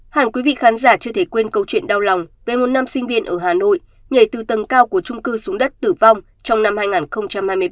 hẳn quý vị khán giả chưa thể quên câu chuyện đau lòng về một nam sinh viên ở hà nội nhảy từ tầng cao của trung cư xuống đất tử vong trong năm hai nghìn hai mươi ba